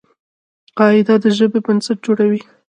قاعده د ژبي بنسټ جوړوي.